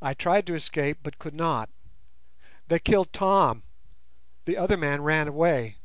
I tried to escape but could not. They killed Tom: the other man ran away.